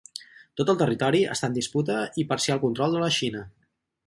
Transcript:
Tot el territori està en disputa i parcial control de la Xina.